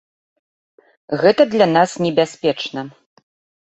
Гэта для нас небяспечна.